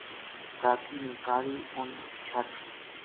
کا کی نے کالی اُ ن چھٹ